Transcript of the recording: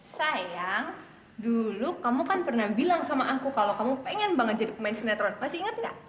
sayang dulu kamu kan pernah bilang sama aku kalau kamu pengen banget jadi pemain sinetron pasti ingat gak